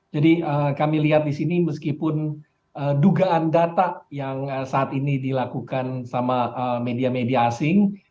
jadi kami lihat di sini meskipun dugaan data yang saat ini dilakukan sama media media asing